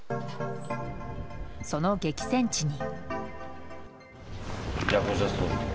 その激戦地に。